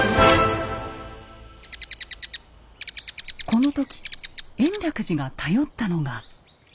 この時延暦寺が頼ったのが。